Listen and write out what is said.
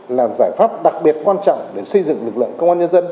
là giải pháp đặc biệt quan trọng để xây dựng lực lượng công an nhân dân